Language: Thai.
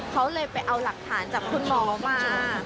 เขาเลยไปเอาหลักฐานจากคุณหมอมา